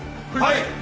はい！